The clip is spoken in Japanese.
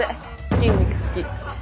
筋肉好き。